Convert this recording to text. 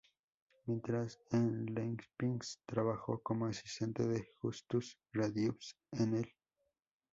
Mientras en Leipzig, trabajó como asistente de Justus Radius en el St.